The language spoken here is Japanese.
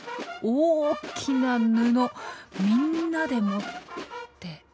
大きな布みんなで持って。